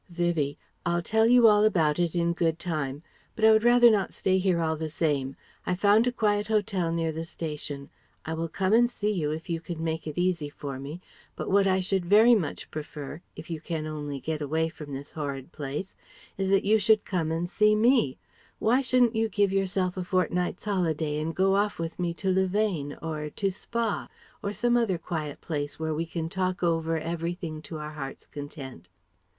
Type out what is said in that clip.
Vivie: "I'll tell you all about it in good time. But I would rather not stay here all the same. I've found a quiet hotel near the station. I will come and see you if you can make it easy for me; but what I should very much prefer, if you can only get away from this horrid place, is that you should come and see me. Why shouldn't you give yourself a fortnight's holiday and go off with me to Louvain ... or to Spa ... or some other quiet place where we can talk over everything to our heart's content?"